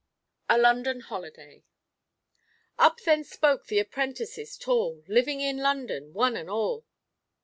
A LONDON HOLIDAY "Up then spoke the apprentices tall Living in London, one and all."